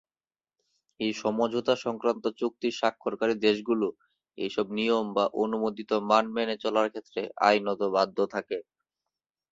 এই সমঝোতা সংক্রান্ত চুক্তি স্বাক্ষরকারী দেশগুলো এইসব নিয়ম বা অনুমোদিত মান মেনে চলার ক্ষেত্রে আইনত বাধ্য থাকে।